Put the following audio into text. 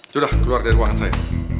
sudah keluar dari ruangan saya